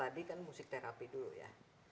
jadi kan musik terapi dulu ya